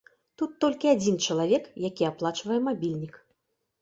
Тут толькі адзін чалавек, які аплачвае мабільнік.